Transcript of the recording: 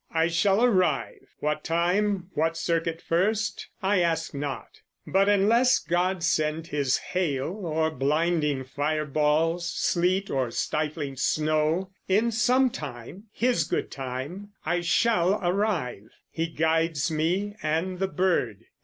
I shall arrive, what time, what circuit first, I ask not; but unless God send his hail Or blinding fire balls, sleet or stifling snow, In some time, his good time, I shall arrive; He guides me and the bird.